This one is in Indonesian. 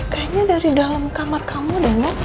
kayaknya dari dalam kamar kamu dong